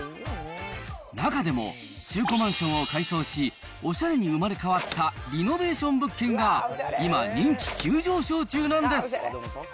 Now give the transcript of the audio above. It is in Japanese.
中でも中古マンションを改装し、おしゃれに生まれ変わったリノベーション物件が今、人気急上昇中なんです。